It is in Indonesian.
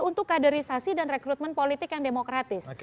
untuk kaderisasi dan rekrutmen politik yang demokratis